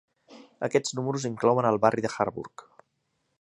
Aquests números inclouen el barri de Harburg.